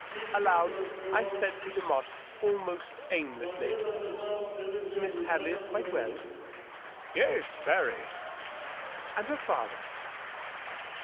Aloud I said to Demotte, almost aimlessly, —" Miss Hadley is quite well ?" "Yes— very." "And her father?"